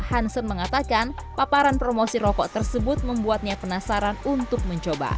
hansen mengatakan paparan promosi rokok tersebut membuatnya penasaran untuk mencoba